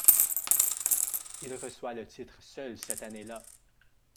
Il reçoit le titre seul cette année-là.